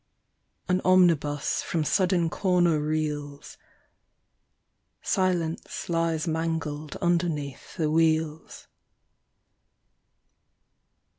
... An omnibus from sudden corner reels : Silence lies mangled underneath the wheels.